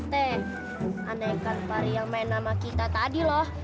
teh anehkan pari yang main sama kita tadi loh